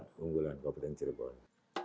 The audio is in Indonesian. keunggulan kabupaten cirebon